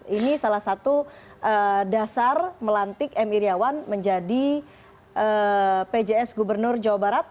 ini salah satu dasar melantik m iryawan menjadi pjs gubernur jawa barat